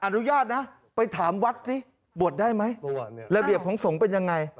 อนุญาตนะไปถามวัดสิบวชได้ไหมระเบียบของสงฆ์เป็นยังไง